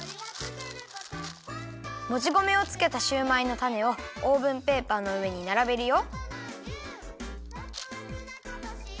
もち米をつけたシューマイのたねをオーブンペーパーのうえにならべるよ。